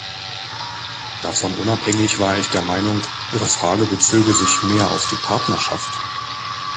Davon unabhängig war ich der Meinung, Ihre Frage bezöge sich mehr auf die Partnerschaft.